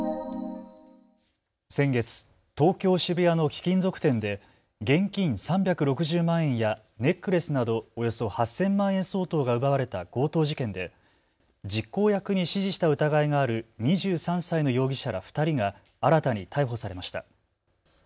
先月、東京渋谷の貴金属店で現金３６０万円やネックレスなどおよそ８０００万円相当が奪われた強盗事件で実行役に指示した疑いがある２３歳の容疑者ら２人が新たに逮捕されました。